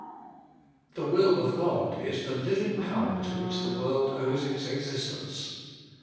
The will of God is the living power to which the world owes its existence.